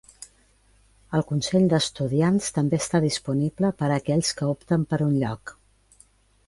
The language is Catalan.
El Consell d'Estudiants també està disponible per a aquells que opten per un lloc.